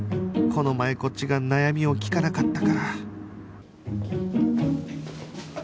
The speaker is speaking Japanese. この前こっちが悩みを聞かなかったから